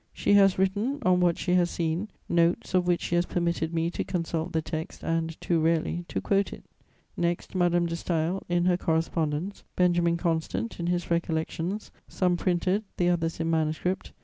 She has written, on what she has seen, notes of which she has permitted me to consult the text and, too rarely, to quote it. Next, Madame de Staël in her correspondence, Benjamin Constant in his recollections, some printed, the others in manuscript, M.